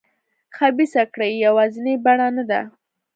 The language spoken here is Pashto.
خبیثه کړۍ یوازینۍ بڼه نه ده.